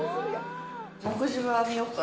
目次は見ようか。